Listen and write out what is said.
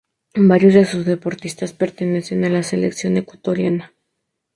Varios de sus deportistas pertenecen a la Selección Ecuatoriana.